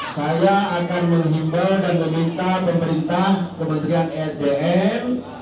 saya akan menghimbau dan meminta pemerintah kementerian esdm